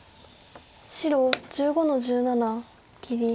白１５の十七切り。